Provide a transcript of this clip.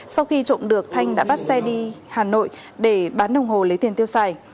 sau khi trộm được thanh đã bắt xe đi hà nội để bán đồng hồ lấy tiền tiêu xài